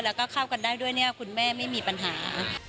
แล้วก็เข้ากันได้ด้วยเนี่ยคุณแม่ไม่มีปัญหา